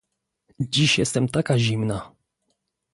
"Dziś jestem taka zimna!"